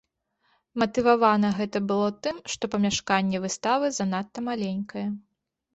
Матывавана гэта было тым, што памяшканне выставы занадта маленькае.